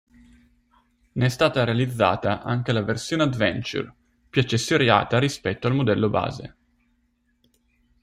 Ne è stata realizzata anche la versione Adventure, più accessoriata rispetto al modello base.